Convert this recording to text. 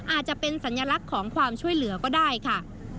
อาจจะเป็นสัญลักษณ์ของความช่วยเหลือก็ได้ค่ะ